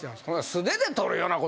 素手で捕るようなことなんて。